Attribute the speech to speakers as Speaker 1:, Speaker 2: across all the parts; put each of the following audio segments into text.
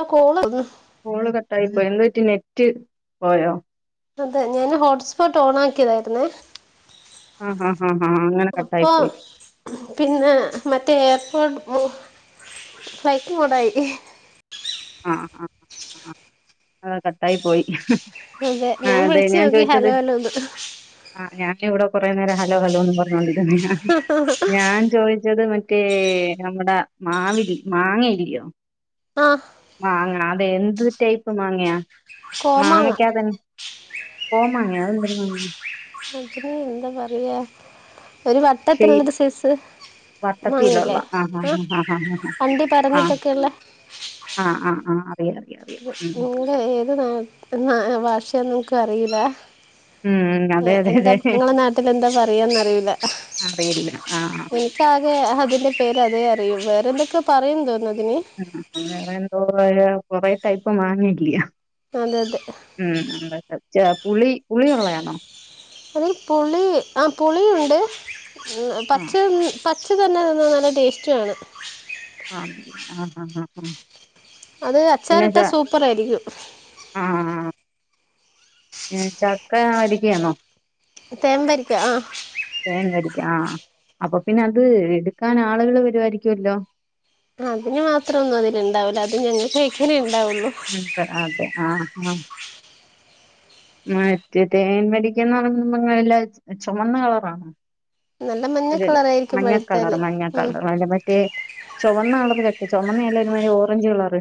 Speaker 1: ആഹ് call.
Speaker 2: Call കട്ടായി പോയ് എന്ത്‌ പറ്റി? നെറ്റ് പോയോ?
Speaker 1: അതെ ഞാന് ഹോട്ട്സ്പോട്ട് ഓണാക്കിയതായിര്ന്നേ.
Speaker 2: ആ ആ ആ ആ അങ്ങനെ കട്ടായി
Speaker 1: അപ്പൊ
Speaker 2: പോയി
Speaker 1: പിന്നെ മറ്റേ [unintelligible] ഫ്ലൈറ്റ്മോടായി.
Speaker 2: ആഹ് ആഹ് അഹ് അത് കട്ടായി പോയി.
Speaker 1: അതെ
Speaker 2: ആ
Speaker 1: ഞാൻ
Speaker 2: അതെ
Speaker 1: വിളിച്ച് നോക്കി
Speaker 2: ചോദിച്ചത്
Speaker 1: ഹലോ ഹലോന്ന്.
Speaker 2: കൊറേ നേരം ഹലോ ഹലോന്നും പറഞ്ഞോണ്ടിര് ക്കറിയാ ഞാൻ ചോയിച്ചത് മറ്റെ മറ്റേ നമ്മുടെ മാവിൽ മാങ്ങയില്ല്യോ.
Speaker 1: ആഹ്
Speaker 2: മാങ്ങ അത് എന്ത് ടൈപ്പ് മാങ്ങയാ?
Speaker 1: കോമാങ്ങ
Speaker 2: മാങ്ങക്കാത്തന്നെ പോ മാങ്ങയോ അതെന്തൊരു മാങ്ങയാ
Speaker 1: അതിന് എന്ത പറിയാ? ഒരു വട്ടത്തുള്ളരു സൈസ്....
Speaker 2: വട്ടത്തത്തിലുള്ള ആ
Speaker 1: വണ്ടി
Speaker 2: ആ
Speaker 1: പറഞ്ഞിട്ടൊക്കെയുള്ള
Speaker 2: ആ ആ ആ..... അറിയാം അറിയാം അറിയാം ഉം
Speaker 1: [unintelligible] നമുക്ക് അറിയില......
Speaker 2: ഉം അതെ അതെ
Speaker 1: എന്താ
Speaker 2: അതെ
Speaker 1: നിങ്ങളെ നാട്ടിൽ എന്താ പറയാന്നറിയില്ല
Speaker 2: അറിയില്ല ആ ആ
Speaker 1: എനിക്കാകെ അതിന്റെ പേര് അതേ അറിയും വേറെന്തൊക്കെ..... പറയു തോന്ന്.....
Speaker 2: ആ എന്തോ. [unintelligible] കൊറേ ടൈപ്പ് വാങ്ങില്ല്യായാ.
Speaker 1: അതെ അതെ
Speaker 2: ഉം [unintelligible] ച്ച് പുളി പുളിയള്ളയണോ.
Speaker 1: അത് പുളി ആ പുളിയുണ്ട്. ഉം പച്ച.
Speaker 2: ആഹ്
Speaker 1: പച്ച തന്നെ തിന്നാ നല്ല ടേസ്റ്റുമാണ്.
Speaker 2: ആ ആഹ് ആഹ് ആഹ് ആഹ്.
Speaker 1: അത്
Speaker 2: പിന്നെ ച
Speaker 1: അച്ചാറിട്ടാ സൂപ്പർ ആരിക്കും.
Speaker 2: ഏ ചക്ക വരിക്കയാണോ?
Speaker 1: തേമ്പരിക്ക ആ.
Speaker 2: തേൻ വരിക്കാ ആ അപ്പൊ പിന്നെ അത് എടുക്കാൻ ആളുകൾ വരു ആരിക്കുല്ലോ?
Speaker 1: അതിന് മാത്രം ഒന്നും അതിലുണ്ടാവില്ലാ അത് ഞങ്ങക്ക് കഴിക്കാനെ ഉ
Speaker 2: [unintelligible] അതെ ആഹ്‌. ആ മറ്റെ തേൻ വരിക്കെന്ന് പറയുമ്പം നല്ലേ ചുമന്ന കളറാണോ?
Speaker 1: നല്ല മഞ്ഞ
Speaker 2: അല്ലല്ല
Speaker 1: കളറയിരിക്കും
Speaker 2: മഞ്ഞ കളറ്
Speaker 1: പഴുത്താല്
Speaker 2: മഞ്ഞ
Speaker 1: ഉം.
Speaker 2: കളറ് അല്ല മറ്റേ ചുവന്ന കളറ് ചക്ക ചുമന്ന അല്ല ഒരുമാതിരി ഓറഞ്ച് കളറ്.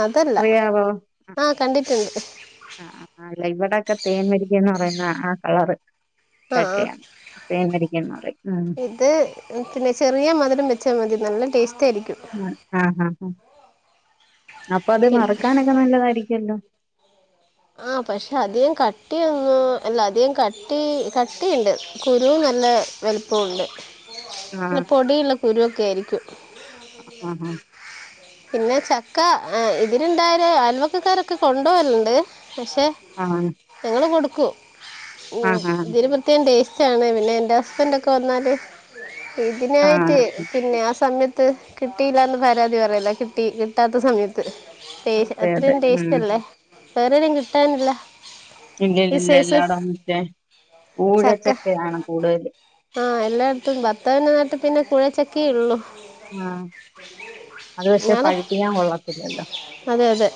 Speaker 1: അതല്ല
Speaker 2: അറിയാവോ
Speaker 1: ആഹ് കണ്ടിട്ടുണ്ട്.
Speaker 2: ഇവിടെക്കെ തേൻ വരിക്കേന്ന് പറയുന്ന ആ കളറ്.
Speaker 1: ആഹ് ആഹ്
Speaker 2: പറയും ഉം
Speaker 1: ഇത് പിന്നെ ചെറിയ മധുരം വെച്ചാൽ മതി നല്ലേ
Speaker 2: ആഹ് ആഹ്. അപ്പൊ അത്
Speaker 1: പിന്നെ
Speaker 2: വറക്കാനൊക്കെ നല്ലതായിരിക്കുവല്ലോ?
Speaker 1: ആ പക്ഷെ അധികം കട്ടിയ ഒന്നു അല്ല അധികം കട്ടി കട്ടിയുണ്ട് കുരുവും നല്ല വലുപ്പം ഉണ്ട്.
Speaker 2: ആഹ്
Speaker 1: നല്ല പൊടിയുള്ള കുരുവൊക്കെ ആയിരിക്കും.
Speaker 2: ആഹ്
Speaker 1: പിന്നെ ചക്ക ഇതിലുണ്ടായാല് ആൽവക്കക്കാരൊക്കെ കൊണ്ട് പോകലുണ്ട്. പക്ഷെ
Speaker 2: ആഹ്
Speaker 1: നിങ്ങള് കൊടുക്ക് ക്കൊ ഓ
Speaker 2: ആഹ് ആഹ്
Speaker 1: ഇതിന് പ്രത്യേകം ടേസ്റ്റ് ച്ചയാണ് പിന്നെ എന്റെ ഹസ്ബൻറ് ഒക്കെ വന്നാല്. ഇതിനായിട്ട്
Speaker 2: ആഹ്
Speaker 1: പിന്നെ ക ആ സമയത്ത്. ത് കിട്ടിയില്ലാ എന്ന് പരാതി പറയല്ലേ. കിട്ടി കിട്ടാത്ത സമയത്ത്. ടേസ്
Speaker 2: അതെ അതെ
Speaker 1: അത്രയും
Speaker 2: ഉം
Speaker 1: ടേസ്റ്റ് അല്ലേ. വേറെ ആരെ കിട്ടാനില്ല. ഈ
Speaker 2: ഇല്ലില്ല
Speaker 1: സൈസ്
Speaker 2: എല്ലാട മറ്റേ
Speaker 1: ചക്ക
Speaker 2: ഊഴച്ചക്കയാണ് കൂടുതല്
Speaker 1: ആഹ് എല്ലായിടത്തും ബത്തവന നട്ട് പിന്നെ കുഴച്ചക്കേ ഉള്ളു
Speaker 2: ആഹ
Speaker 1: ഞാന അതെ അതെ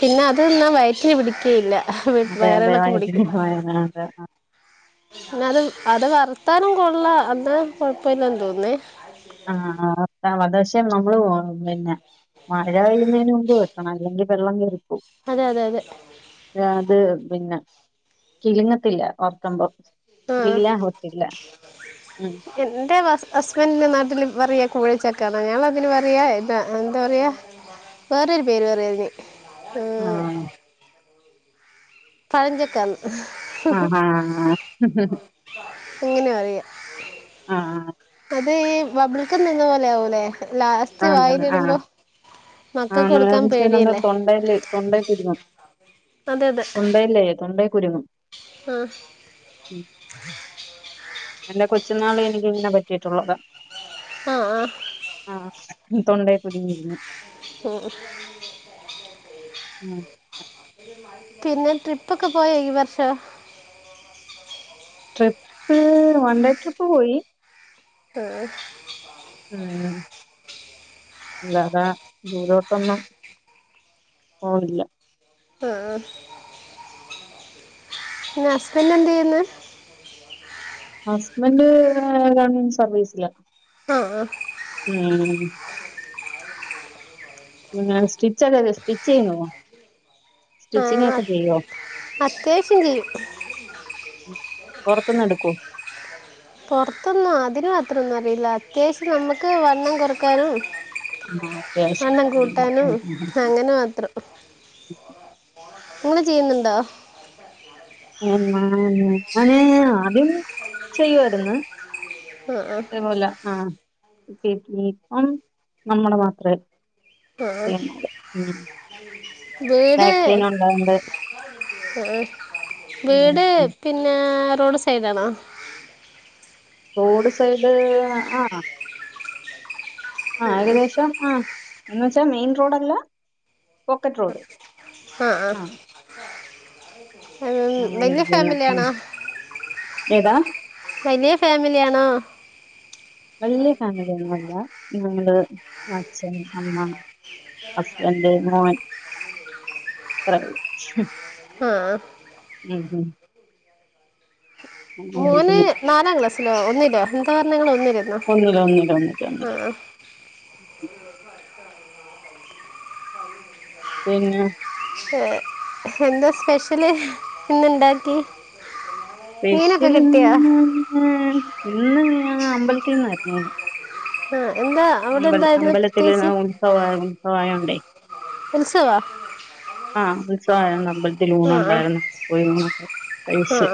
Speaker 1: പിന്നെ അത്ന്നാ വ പി പിടിക്കുകയില്ല
Speaker 2: അതെ അതെ
Speaker 1: വയറിളക്കം
Speaker 2: വൈദ്യ വേദ് ന അതെ
Speaker 1: പിന്ന അത് അത് വർത്താനും കൊള്ള അന്താ കൊഴപ്പില്ല തോന്നേ
Speaker 2: ആഹ ആ വ പക്ഷെ നമ്മൾ പിന്നെ മഴ പെയ്യുന്നതിന് മുമ്പ് വെട്ടണം അല്ലെങ്കിൽ വെള്ളം ക
Speaker 1: അതെ അതെ അതെ
Speaker 2: അത് പിന്നെ കിഴിങ്ങത്തില്ല ഓർക്കുമ്പോ
Speaker 1: ആ
Speaker 2: കിലുകിലാ ഇല്ല ഉം
Speaker 1: എന്റെ ഹസ്ബൻഡന്റെ നാട്ടില് പറയുക കൂഴിച്ചക്കണ ഞൾതിന് പറ പറയാ ഇതാ എന്താ പറയാ വേറൊരു പേര് വറിയരുന്നു
Speaker 2: ആഹ
Speaker 1: പഴചക്ക
Speaker 2: ആഹ ആഹ
Speaker 1: അങ്ങനെ അറിയാം
Speaker 2: ആഹ ആ
Speaker 1: അത് ഈ ബബിളൾക്കൽ നിന്ന പോലെ ആകൂല്ലേ
Speaker 2: ആ
Speaker 1: മക്കക്ക്
Speaker 2: ആഹ
Speaker 1: കൊടുക്കാൻ
Speaker 2: ആച്ച നമ്മുടെ
Speaker 1: പേടിയല്ലേ
Speaker 2: തൊണ്ടല്ലേ തൊണ്ടക്കുരുങ്ങ തൊണ്ടല്ലേ തൊണ്ട കുരു
Speaker 1: ആ
Speaker 2: എന്റെ കൊച്ചു നാള് എനിക്ക്ങ്ങനെ പറ്റിയിട്ടുള്ളത്
Speaker 1: ആ ആ
Speaker 2: തൊണ്ടയ കുരുങ്ങിയിരുന്നു
Speaker 1: ഉ
Speaker 2: ആഹ്
Speaker 1: പിന്നെ ട്രിപ്പ ഒക്കെ പോയ ഈ വർഷ
Speaker 2: ട്രിപ്പ് വൺ ഡേ ട്രിപ്പ് പോയി
Speaker 1: ആ
Speaker 2: ഉം അല്ലതാ ദൂരോട്ടൊന്നും പോണില്ല
Speaker 1: ആഹ ഹസ്ബൻഡ് എന്ത ചെയ്യുന്നു
Speaker 2: ഹസ്ബന്ഡ് ഗവൺമെന്റ് സർവീസില
Speaker 1: ആഹ്
Speaker 2: ഉം [unintelligible] [unintelligible]
Speaker 1: ആ
Speaker 2: സ്റ്റിച്ചിങ് ഒക്കെ ചെയ്യോ
Speaker 1: അത്യാവശ്യം ചെയ്യും
Speaker 2: പൊർത്ത്ന്ന് എട്ക്കോ
Speaker 1: പൊർത്ത്ന്ന് അതിന് മാത്രം ഒന്നും അറിയില്ല അത്യാവശ്യം നമ്മുക്ക് വണ്ണം കൊറക്കാനും
Speaker 2: ആ അത്യാവശ്യം കാര്യങ്ങൾ
Speaker 1: അങ്ങനെ കൂൺ ചെയ്യ്ന്ന്ണ്ടോ
Speaker 2: [unintelligible] ആദ്യം ചെയ്യാര്ന്ന്
Speaker 1: ആഹ് ആഹ്
Speaker 2: തേപോലെ ആ ഇ ഇപ്പം നമ്മടെ മാത്രേ
Speaker 1: ആഹ വീട്
Speaker 2: ബാക്ക് പെയിൻ ഉണ്ടായോണ്ട്
Speaker 1: ഏ വീട്
Speaker 2: ഉം
Speaker 1: പിന്നെ റോഡ് സെയ്ടാണോ
Speaker 2: റോഡ് സൈഡ് അ അ ആ ഏകദേശം ആ എന്ന് വെച്ചാ മെയിൻ റോഡല്ല പോക്കറ്റ് റോഡ്
Speaker 1: ആഹ് ആഹ്
Speaker 2: അങ്ങനെ
Speaker 1: വേല്യ
Speaker 2: ഇരിക്കുന്ന ഉം
Speaker 1: ഫാമിലിആണോ
Speaker 2: ഏതാ
Speaker 1: വലിയ ഫാമി ആണോ
Speaker 2: വല്യ ഫാമിലി ഒന്നും അല്ല ഞങ്ങള് അച്ഛൻ അമ്മ ഹസ്ബൻഡ് മോൻ [unintelligible]
Speaker 1: ആഹ് ആഹ്
Speaker 2: ഉം ഹും
Speaker 1: മോന് നാലാ ക്ലാസ് ഹലോ ഒന്നുല്ലേ ഉദാഹരങ്ങള് ഒന്നു
Speaker 2: ഒന്നില് ഒന്നില് ഒന്നിട്ട് ഒന്നില് പിന്നെ
Speaker 1: ഹേ എന്താ സ്പെഷ്യല് ഇന്നുണ്ടാക്കി മീനൊക്കെ കിട്ടിയോ
Speaker 2: സ്പെഷ്യൽഇന്ന്ന്ന് ഇന്ന് ഞാ അമ്പലത്തിന്നാരുന്നു ഊണ്
Speaker 1: ആ എന്താ അവിടെ
Speaker 2: അമ്പ
Speaker 1: എന്തായിരുന്നു
Speaker 2: അമ്പലത്തി
Speaker 1: പ്രത്യേകിച്ച്
Speaker 2: ഉത്സവായിരുന്നു ഉത്സവായോണ്ടേ
Speaker 1: ഉൽസവോ
Speaker 2: ആഹ് ഉത്സവായിരുന്നു അമ്പലത്തിൽ ഊണ്
Speaker 1: ആ
Speaker 2: ഒണ്ടായിരുന്നു പോയി ഊണക്കെ കഴിച്ച്
Speaker 1: ആ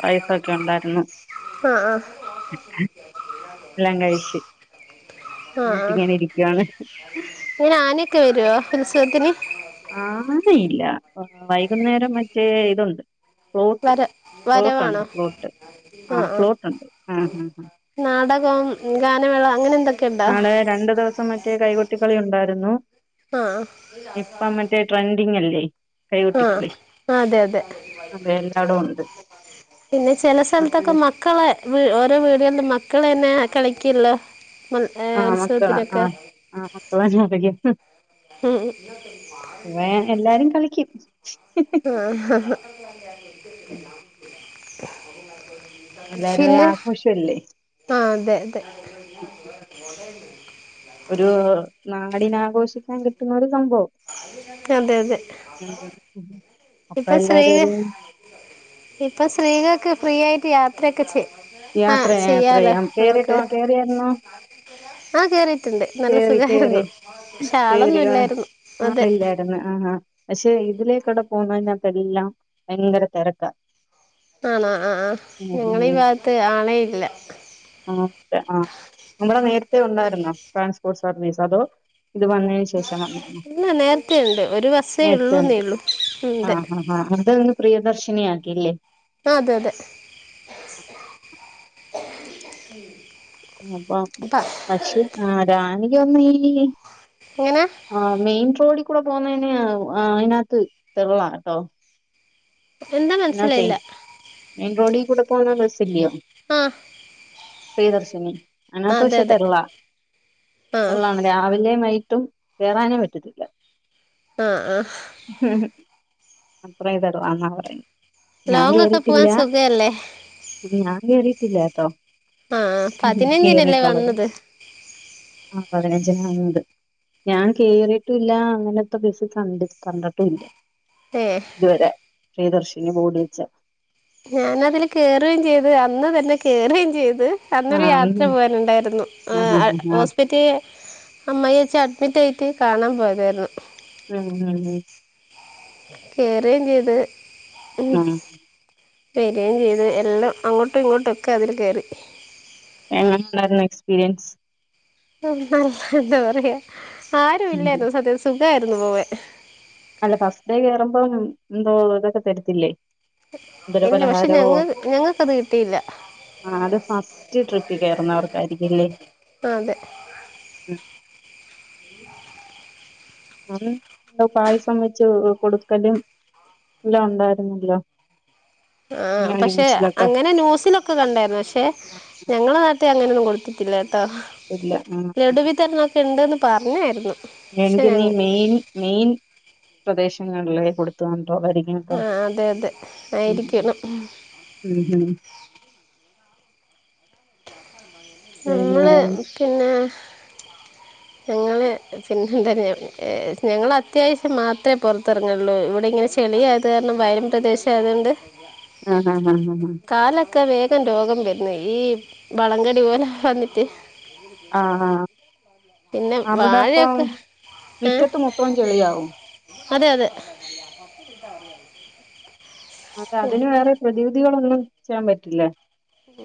Speaker 2: പായസൊക്കെ ഒണ്ടായിരുന്നു
Speaker 1: ആ ആ
Speaker 2: എല്ലാം കഴിച്ച്
Speaker 1: ആ
Speaker 2: എന്നിട്ട്
Speaker 1: ആ
Speaker 2: ഇങ്ങനെ ഇരിക്കുവാണ്
Speaker 1: [unintelligible] ക്കെ വരോ ഉത്സവത്തിന്
Speaker 2: ആനയില്ല വൈകുന്നേരം മറ്റേ ഇതുണ്ട് ഫ്ലോട്ട്
Speaker 1: വര
Speaker 2: ഫ്ലോട്ടുണ്ട്
Speaker 1: വരവാണോ
Speaker 2: ഫ്ലോട്ട്
Speaker 1: ആ ആ
Speaker 2: ഫ്ലോട്ടുണ്ട് ആ ആ ആ
Speaker 1: നാടകം ഗാനമേള അങ്ങനെ എന്തൊക്ക
Speaker 2: നാളെ രണ്ടു ദിവസം മറ്റേ കൈകൊട്ടികളി ഉണ്ടായിരുന്നു
Speaker 1: ആ ആ
Speaker 2: ഇപ്പം മറ്റേ ട്രെൻഡ ന്നില്ലേ
Speaker 1: ആഹ് അതെ അതെ
Speaker 2: അതെ എല്ലാടും ഉണ്ട്
Speaker 1: പിന്നെ ചില
Speaker 2: അതെ
Speaker 1: സ്ഥലത്തൊക്കെ മക്കളെ ഓരോ വീടുകളും മ മക്കള തന്നെ കളിക്കല്ലോ
Speaker 2: ആഹ് മക്കളാ
Speaker 1: ഉത്സവത്തിനൊക്കെ
Speaker 2: ആഹ് ആ മക്കളാ
Speaker 1: ഉം
Speaker 2: എല്ലാരും കളിക്കും
Speaker 1: ആ
Speaker 2: ഉം. എല്ലാരും ഒരു
Speaker 1: പിന്നെ
Speaker 2: ആഘോഷല്ലേ
Speaker 1: ആ അതെ അതെ
Speaker 2: ഉം. ഒരു നാടിനാഘോഷിക്കാൻ കിട്ടുന്നത്
Speaker 1: അതെ അതെ
Speaker 2: ഉം. അപ്പൊ
Speaker 1: ഇപ്പൊ
Speaker 2: എല്ലാരും
Speaker 1: സ്ത്രീക
Speaker 2: ഒരു
Speaker 1: ഇപ്പൊ സ്ത്രീകക്ക് ഫ്രീ ആയിട്ട് യാത്രയൊക്കെ ചെയ്യും ആഹ്
Speaker 2: യാത്ര യാത്ര
Speaker 1: ചെയ്യാലോ
Speaker 2: ചെയ്യാം
Speaker 1: നമുക്ക്
Speaker 2: കേറിട്ടോ കേറിയായിരുന്നോ
Speaker 1: ആഹ് കേറിയിട്ടുണ്ട് നല്ല
Speaker 2: കേറി
Speaker 1: സുഖമായിരുന്നു അളൊന്നും ഇല്ലായിരുന്നു അതെ
Speaker 2: ആളില്ലാരുന്ന് ആ ആ പക്ഷെ ഇതിലേക്ക് ഇവിടെ പോന്നെടെല്ലാം ഭയങ്കര തിരക്കാ
Speaker 1: ആണോ ആ ആ
Speaker 2: ഉം
Speaker 1: ഞങ്ങളെ ഈ
Speaker 2: ഉം
Speaker 1: ഭാഗത്ത് ആളെ ഇല്ല
Speaker 2: ആ ആ നമ്മടെ നേരത്തെ ഉണ്ടായിരുന്നോ ട്രാൻസ്പോ നിസതോ ഇത് വന്നതിന് ശേഷം
Speaker 1: ഇല്ല നേരത്തെയുണ്ട് ഒരു ബസ്സേ ഉള്ളൂന്നേ
Speaker 2: ത്തണ്ട്
Speaker 1: ഉള്ളൂ
Speaker 2: ആ
Speaker 1: ഉണ്ട്
Speaker 2: അതൊന്ന് പ്രിയദർശ ക്ഷണി ആക്കില്ലേ
Speaker 1: അതെ അതെ
Speaker 2: അപ്പൊ
Speaker 1: പ
Speaker 2: പശു ആ റാണി [unintelligible]
Speaker 1: എങ്ങനെ
Speaker 2: ആഹ മെയിൻറോഡി കൂടെ പോന്നേന് അയിനത്ത് തെരള ട്ടോ
Speaker 1: എന്താ മനസിലായില്ല
Speaker 2: കൂടെത്തു വന്നാ ബസ് ഇല്ലിയൊ
Speaker 1: ആഹ
Speaker 2: പ്രിയദർശിനി അതിനത്തു പക്ഷെ തെള്ളാ
Speaker 1: ആ
Speaker 2: തെള്ളാണ് രാവിലെ വൈ - ട്ടും കേയറാനേ പറ്റത്തില്ല
Speaker 1: ആഹ് ആഹ്
Speaker 2: അത്ര ഇ തെടുവാ എന്നാ പറ [unintelligible]
Speaker 1: ലോങ്ങ് ഒക്കെ പോവാൻ സുഖല്ലേ
Speaker 2: നീ കേറീട്ടില്ല കേട്ടോ
Speaker 1: ആഹ് പതിനഞ്ചിനല്ലേ
Speaker 2: കേറിയിട്ടുള്ളത്
Speaker 1: വന്നത്
Speaker 2: ആ വന്നത് ഞാൻ കേറിയിട്ടും ഇല്ല അങ്ങനെത്തെ ബസ് കണ്ടി കണ്ടിട്ടും ഇല്ല
Speaker 1: [unintelligible]
Speaker 2: പ്രിയദർശിനി ഈ ബോഡ് വച്ച
Speaker 1: ഞാന് അതില് കേയറുകയും ചെയ്ത് അന്ന് തന്നെ കേയറുകയും ചെയ്ത്- അന്നൊരു
Speaker 2: ആഹ്
Speaker 1: യാത്ര പോവാനുണ്ടായിരുന്നു
Speaker 2: ആഹ്
Speaker 1: ആ
Speaker 2: ആഹ് ആഹ്
Speaker 1: ഹോസ്പിറ്റേ അമ്മായി അച്ഛൻ അട് - വിറ്റ് വിറ്റ് കാണാൻ പോയതായിരുന്നു
Speaker 2: ഉം ഉം ഉം
Speaker 1: കേറിയേം ചെയ്ത്
Speaker 2: ആഹ്
Speaker 1: ബരിയാണി ചെയ്ത് എല്ലാം അങ്ങോട്ടും ഇങ്ങോട്ടൊക്കെ അതില് കേറി
Speaker 2: എങ്ങനുണ്ടായിരുന്നു എക്സ്പീരിയൻസ്
Speaker 1: നല്ല എന്താ പറയാ ആരും ഇല്ലായിരുന്നു [unintelligible] ഇതായിരുന്നു പോവേ
Speaker 2: അല്ല ഫസ്റ്റ് ഡേ കേറുമ്പം എന്തോ ഇതൊക്കെ തരിത്തില്ലേ എന്തരോ
Speaker 1: ഇല്ല പക്ഷെ
Speaker 2: പലഹാരവോ
Speaker 1: ഞങ്ങ ഞങ്ങൾക്കത് കിട്ടിയില്ല
Speaker 2: ആഹ് അത് ഫസ്റ്റ് ട്രിപ്പി കേറുന്നവർക്കായിരിക്കില്ലേ
Speaker 1: അതെ
Speaker 2: ഉം കാരണം ന്തോ പായസം വെച്ച് കൊടുക്കലും എല്ലാം ഉണ്ടായിരുന്നല്ലോ
Speaker 1: ആഹ്
Speaker 2: ഞാൻ
Speaker 1: പക്ഷെ
Speaker 2: ന്യൂസിലൊക്കെ
Speaker 1: അങ്ങനെ ന്യൂസിലൊക്കെ കണ്ടായിരുന്നു പക്ഷെ
Speaker 2: ആ, ആ,
Speaker 1: ഞങ്ങള നാട്ട ത്തെ അങ്ങനൊന്നും കൊടുത്തിട്ടില്ല
Speaker 2: ഇല്ല ആഹ്
Speaker 1: [unintelligible] തര്ന്നാക്ക് ഇണ്ട്ന്ന് പറഞ്ഞായിരുന്നു പക്ഷെ
Speaker 2: എനിക്കിനി
Speaker 1: ഞങ്ങ
Speaker 2: മെയിൻ മെയിൻ പ്രദേശം [unintelligible]
Speaker 1: ആ അതെ അതെ
Speaker 2: മ്ഹ്ം.
Speaker 1: ആയിരിക്കണം. [unintelligible]
Speaker 2: പിന്നെ
Speaker 1: സുഖംതന്നെയാണ് ഞങ്ങൾ അത്യാവശ്യം മാത്രമേ പുറത്തിറങ്ങാറുള്ളൂ ഇവിടെ ഇങ്ങനെ ചെളിയായത് കാരണം വയലും പ്രദേശം ആയതുകൊണ്ട്.
Speaker 2: ആഹ് ഹഹ് ആഹ് ഹഹ്
Speaker 1: ഒക്കെ വേഗം രോഗം വരുന്നു ഈ വളങ്കടി പോലെ സമ്മിറ്റ്
Speaker 2: ആ,
Speaker 1: [unintelligible]
Speaker 2: അവിടെ ഇപ്പം
Speaker 1: ഏ
Speaker 2: മിറ്റത്ത് മൊത്തം ചെളിയാവും.
Speaker 1: അതെ അതെ.
Speaker 2: അതെ, അതിന് വേറെ പ്രതിവിധികളൊന്നും? ചെയാൻ പറ്റില്ലേ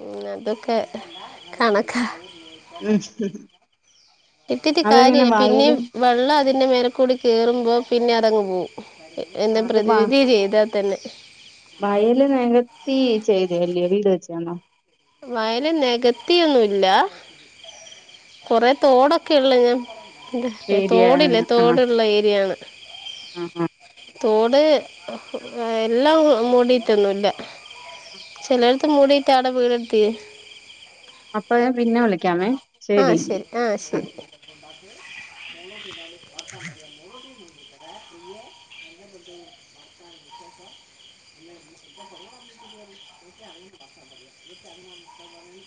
Speaker 1: ഉ അതൊക്കെ കണക്ക
Speaker 2: ഉം.
Speaker 1: ഇത്തിരി
Speaker 2: അതെങ്ങനെ
Speaker 1: കാര്യവേ
Speaker 2: വയല്
Speaker 1: പിന്നേം വെള്ളം അതിന്റെമേളിക്കൂടി കയറുമ്പോ... പിന്നെ അതങ്ങ് പോവും. എന്താ
Speaker 2: അത് വ... അത്
Speaker 1: പ്രതിവിധി ചെയ്താൽ തന്നെ
Speaker 2: വയല് നികത്തി ചെയ്തല്ലേ? വീട് വെച്ച്തന്നോ?
Speaker 1: വയല നികത്തിയൊന്നുല്ല കൊറെ തോടൊക്കെ ഉള്ള ഞാൻ ഇ തോടില്ലേ
Speaker 2: ശരിയാണ്. ആ
Speaker 1: തോടുള്ള ഏരിയയാണ്.
Speaker 2: ആ ആ.
Speaker 1: തോട് എല്ലാം മൂടിയിട്ടൊന്നുമില്ല ചിലയിടത്ത് മൂടിയിട്ടാണ് വീട്.. െ [inaudible]
Speaker 2: അപ്പൊ ഞാൻ പിന്നെ വിളിക്കാമേ.
Speaker 1: ആഹ
Speaker 2: ശരിയെങ്കി.
Speaker 1: ശരി ആഹ
Speaker 2: ആ.
Speaker 1: ശരി. മന പ മഴ മ